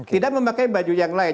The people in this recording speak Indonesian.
tidak memakai baju yang lain